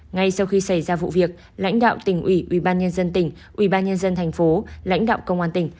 ngay sau khi xảy ra vụ việc lãnh đạo tỉnh ủy ubnd tỉnh ubnd tp lãnh đạo công an tỉnh